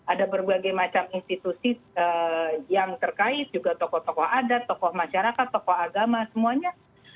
ada berbagai macam institusi yang terkait juga tokoh tokoh adat tokoh masyarakat tokoh agama semuanya